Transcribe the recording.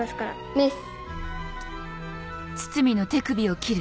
メス。